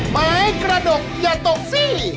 ไม้กระดกอย่าตกซี่